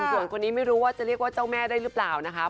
ส่วนคนนี้ไม่รู้ว่าจะเรียกว่าเจ้าแม่ได้หรือเปล่านะคะ